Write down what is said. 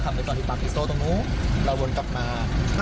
การบริบัติน้ำมัน